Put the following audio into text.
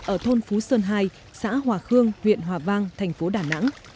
ở thôn phú sơn hai xã hòa khương huyện hòa vang thành phố đà nẵng